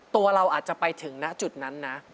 ตัวเราอาจจะไปถึงณจุดนั้นนะ